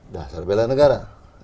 dasar bela negara